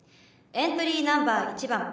エントリーナンバー１番。